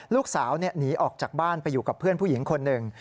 ลูกสาวหนีออกจากบ้านไปอยู่กับเพื่อนผู้หญิงคนหนึ่ง